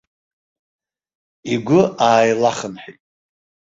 Игәы ааилахынҳәит.